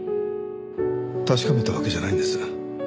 確かめたわけじゃないんです。